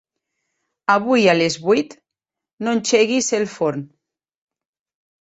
Avui a les vuit no engeguis el forn.